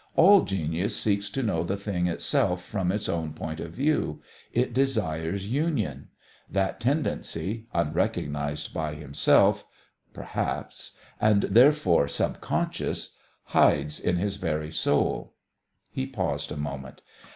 All genius seeks to know the thing itself from its own point of view. It desires union. That tendency, unrecognised by himself, perhaps, and therefore subconscious, hides in his very soul." He paused a moment.